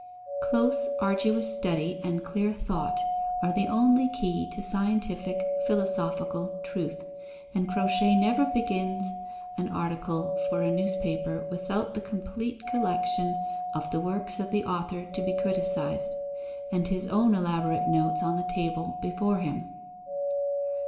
Close, arduous study and clear thought are the only key to scientific (philosophical) truth, and Croce never begins an article for a newspaper without the complete collection of the works of the author to be criticized, and his own elaborate notes on the table before him.